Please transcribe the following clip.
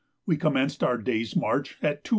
We commenced our day's march at 2h.